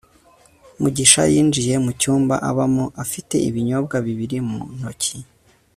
mugisha yinjiye mu cyumba abamo afite ibinyobwa bibiri mu ntoki